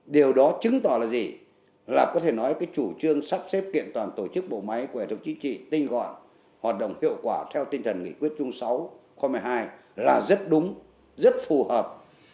điều đó chứng tỏ là gì là có thể nói cái chủ trương sắp xếp kiện toàn tổ chức bộ máy của hệ thống chính trị tinh gọn hoạt động hiệu quả theo tinh thần nghị quyết chung sáu khóa một mươi hai là rất đúng rất phù hợp